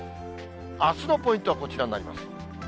あすのポイントはこちらになります。